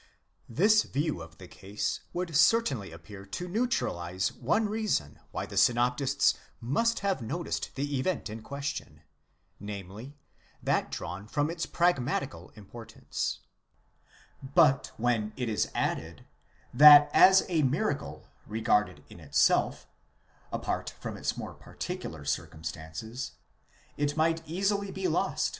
*® This view of the case would certainly appear to neutralize one reason why the synoptists must have noticed the event in question, namely, that drawn from its pragmatical importance ; but when it is added, that as a miracle regarded in itself, apart from its more particular circumstances, it might easily be lost.